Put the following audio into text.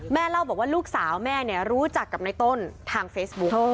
เล่าบอกว่าลูกสาวแม่เนี่ยรู้จักกับในต้นทางเฟซบุ๊ก